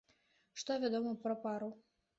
Што вядома пра пару?